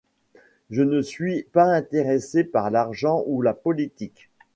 Je ne suis pas intéressé par l'argent ou la politique.